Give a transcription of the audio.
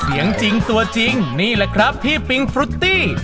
จริงตัวจริงนี่แหละครับพี่ปิงฟรุตตี้